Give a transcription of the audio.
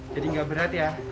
jadi nggak berat ya